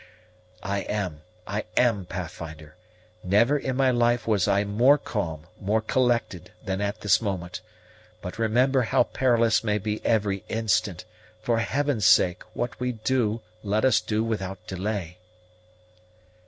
"I am, I am, Pathfinder. Never in my life was I more calm, more collected, than at this moment. But remember how perilous may be every instant; for Heaven's sake, what we do, let us do without delay."